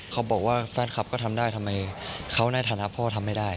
เขาบอกว่าแฟนคลับก็ทำได้ทำไมเขาในฐานะพ่อทำไม่ได้